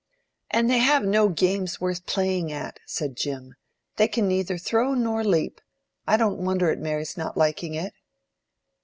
"And they have no games worth playing at," said Jim. "They can neither throw nor leap. I don't wonder at Mary's not liking it."